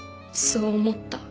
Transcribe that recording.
そう思った。